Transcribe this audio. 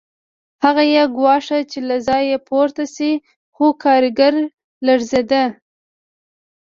هغه یې ګواښه چې له ځایه پورته شي خو کارګر لړزېده